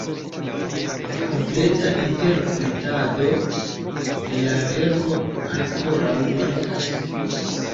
Kompleta interpretado de la verko ankoraŭ mankas!